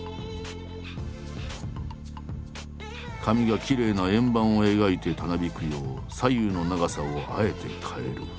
髪がきれいな円盤を描いてたなびくよう左右の長さをあえて変える。